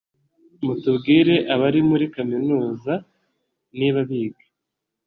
mutubwire abari muri kaminuza niba biga